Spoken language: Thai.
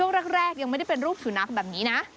แรกยังไม่ได้เป็นรูปสุนัขแบบนี้นะ